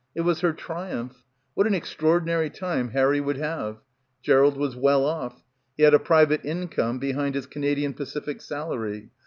It was her triumph. What an extraor dinary time Harry would have. Gerald was well off. He had a private income behind his Canadian Pacific salary.